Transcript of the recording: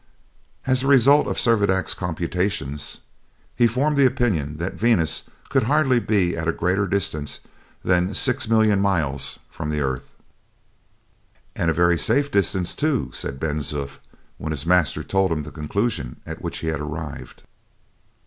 As the result of Servadac's computations, he formed the opinion that Venus could hardly be at a greater distance than 6,000,000 miles from the earth. "And a very safe distance, too," said Ben Zoof, when his master told him the conclusion at which he had arrived.